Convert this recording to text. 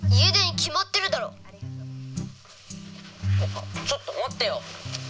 あっちょっとまってよ。